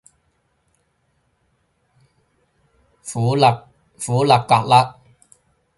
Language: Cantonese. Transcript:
虢礫緙嘞